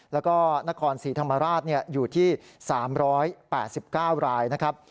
แล้วก็นครศรีธรรมราชอยู่ที่๓๘๙รายนะครับ